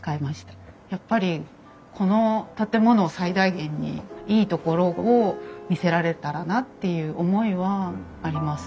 やっぱりこの建物を最大限にいいところを見せられたらなっていう思いはあります。